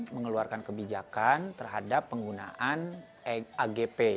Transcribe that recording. mengeluarkan kebijakan terhadap penggunaan agp